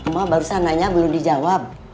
mama barusan nanya belum dijawab